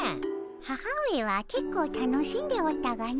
母上はけっこう楽しんでおったがの。